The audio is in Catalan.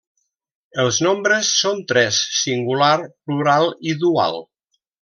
Els nombres són tres: singular, plural i dual.